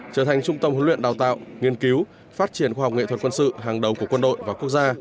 trở thành trung tâm huấn luyện đào tạo nghiên cứu phát triển khoa học nghệ thuật quân sự hàng đầu của quân đội và quốc gia